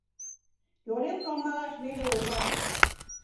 Йолем кылмалаш веле улмаш.